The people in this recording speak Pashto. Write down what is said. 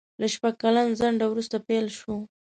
له شپږ کلن ځنډ وروسته پېل شوه.